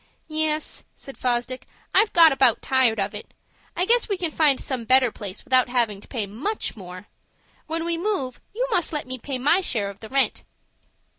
"Yes," said Fosdick, "I've got about tired of it. I guess we can find some better place without having to pay much more. When we move, you must let me pay my share of the rent."